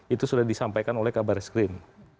itu sudah disampaikan oleh kabar eskrim